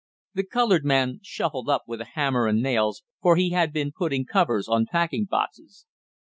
The colored man shuffled up with a hammer and nails, for he had been putting covers on packing boxes.